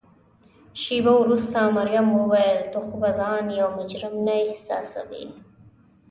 شیبه وروسته مريم وویل: ته خو به ځان یو مجرم نه احساسوې؟